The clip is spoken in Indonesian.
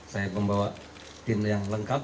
saya pembawa tim yang lengkap